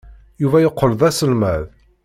Yuba yeqqel d aselmad.